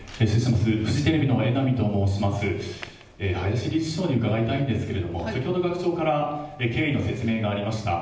林理事長に伺いたいんですけど、先ほど学長から経緯の説明がありました。